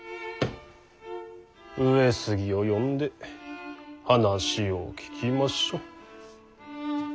上杉を呼んで話を聞きましょう。